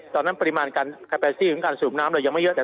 ก็จะเติมมาเรื่อย